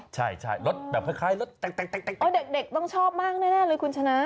ใช่รถแบบคล้ายรถแต่งเด็กต้องชอบมากแน่เลยคุณชนะ